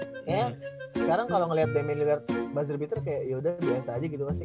sekarang kalau ngeliat damien lillard buzzer beater kayak yaudah biasa aja gitu kan